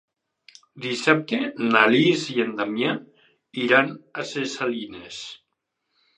Dissabte na Lis i en Damià iran a Ses Salines.